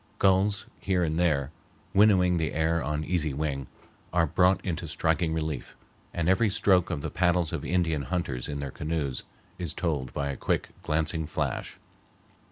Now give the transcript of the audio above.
Gulls here and there, winnowing the air on easy wing, are brought into striking relief; and every stroke of the paddles of Indian hunters in their canoes is told by a quick, glancing flash.